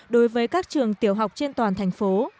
đối với các trường tiểu học trên toàn thành phố